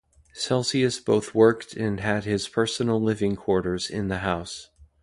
Celsius both worked and had his personal living quarters in the house.